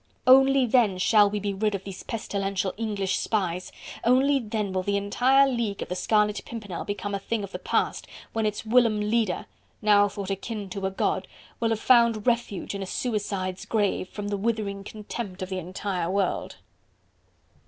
Only then shall we be rid of these pestilential English spies, only then will the entire League of the Scarlet Pimpernel become a thing of the past when its whilom leader, now thought akin to a god, will have found refuge in a suicide's grave, from the withering contempt of the entire world."